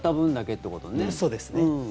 そうですね。